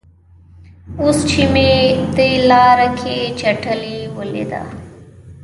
اوس چې مې دې لاره کې چټلي ولیده.